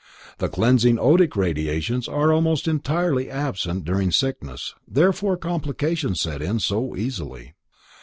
The cleansing odic radiations are almost entirely absent during sickness, therefore complications set in so easily.